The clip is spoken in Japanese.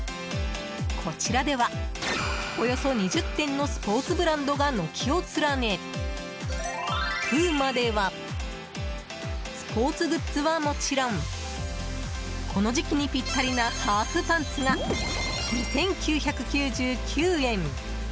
こちらでは、およそ２０店のスポーツブランドが軒を連ねプーマではスポーツグッズはもちろんこの時期にぴったりなハーフパンツが２９９９円